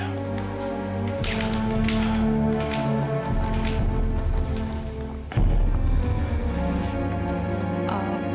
bapak mau nunggu